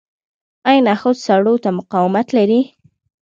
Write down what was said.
آیا نخود سړو ته مقاومت لري؟